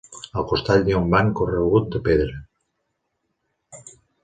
Al costat hi ha un banc corregut de pedra.